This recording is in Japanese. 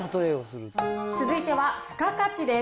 続いては、付加価値です。